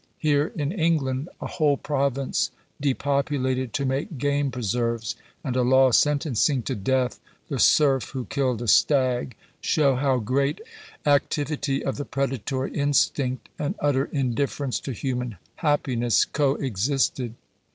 Here in England a whole province depopulated to make game preserves, and a law sentencing to death the serf who killed a stag, show how great activity of the predatory instinct and utter indifference to human happiness coexisted.